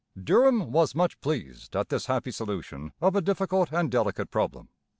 Durham was much pleased at this happy solution of a difficult and delicate problem.